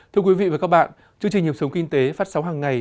thưa quý vị và các bạn chương trình nhập sống kinh tế phát sóng hàng ngày